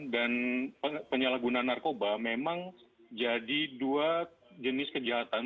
dan penyelagunaan narkoma memang jadi dua jonis kejahatan